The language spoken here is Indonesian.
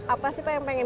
apa sih pak yang pengen